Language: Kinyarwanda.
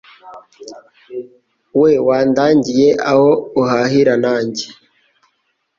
we wandangiye aho uhahira nanjye